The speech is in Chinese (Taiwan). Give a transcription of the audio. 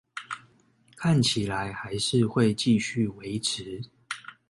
看起來還是會繼續維持